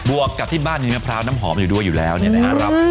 วกกับที่บ้านมีมะพร้าวน้ำหอมอยู่ด้วยอยู่แล้วเนี่ยนะครับ